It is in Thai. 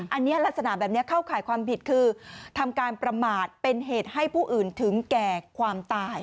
อันนี้ลักษณะแบบนี้เข้าข่ายความผิดคือทำการประมาทเป็นเหตุให้ผู้อื่นถึงแก่ความตาย